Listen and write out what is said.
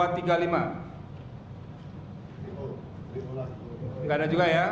tidak ada juga ya